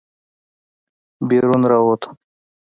بېرون راووتو.